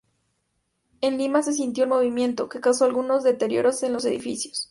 En Lima se sintió el movimiento, que causó algunos deterioros en los edificios.